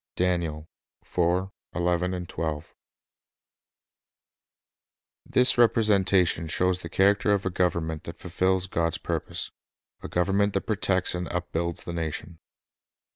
3 This repre sentation shows the character of a government that fulfils God's purpose, — a government that protects and upbuilds the nation.